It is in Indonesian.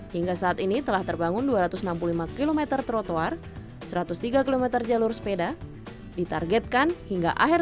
hingga saat ini telah terbangun dua ratus enam puluh lima km trotoar satu ratus tiga km jalur sepeda ditargetkan hingga akhir